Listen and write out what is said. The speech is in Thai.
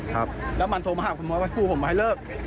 ครับแล้วมันโทรมาหาคุณมดว่าคู่ผมมาให้เลิก